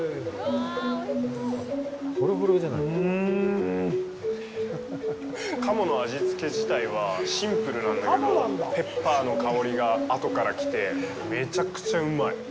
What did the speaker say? うーん！鴨の味付け自体はシンプルなんだけどペッパーの香りが後から来てめちゃくちゃうまい。